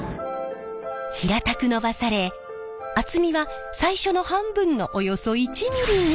平たくのばされ厚みは最初の半分のおよそ１ｍｍに。